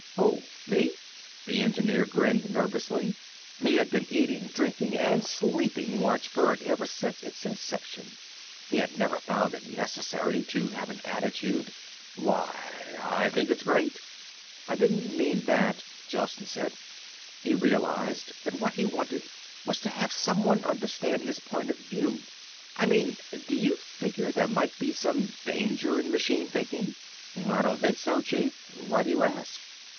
"Who, me?" The engineer grinned nervously. He had been eating, drinking and sleeping watchbird ever since its inception. He had never found it necessary to have an attitude. "Why, I think it's great." "I don't mean that," Gelsen said. He realized that what he wanted was to have someone understand his point of view. "I mean do you figure there might be some danger in machine thinking?" "I don't think so, Chief. Why do you ask?"